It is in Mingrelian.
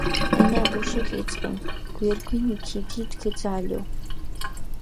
ენა ბოშიქ იწყინჷ, გირგვინი ქიგიდგჷ ძალო.